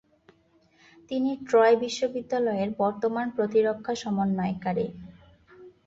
তিনি ট্রয় বিশ্ববিদ্যালয়ের বর্তমান প্রতিরক্ষা সমন্বয়কারী।